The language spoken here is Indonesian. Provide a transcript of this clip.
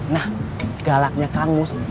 nah galaknya kang mus